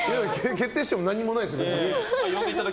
決定しても何もないですよ。